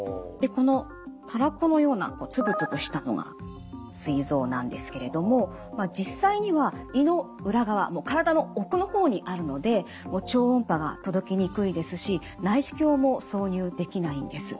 このタラコのような粒々したのがすい臓なんですけれども実際には胃の裏側体の奥の方にあるので超音波が届きにくいですし内視鏡も挿入できないんです。